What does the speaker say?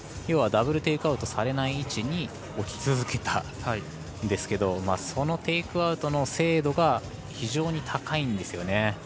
要はダブル・テイクアウトされない位置に置き続けたんですけどそのテイクアウトの精度が非常に高いんです。